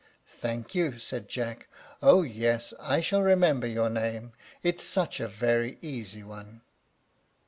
"Thank you," said Jack. "Oh yes, I shall remember your name, it is such a very easy one."